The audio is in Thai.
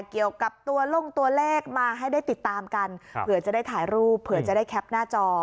เกี่ยวกับตัวลงตัวเลขมาให้ได้ติดตามกันเผื่อจะได้ถ่ายรูปเผื่อจะได้แคปหน้าจอ